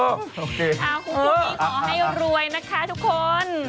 คุณพูดดีขอให้รวยนะคะทุกคน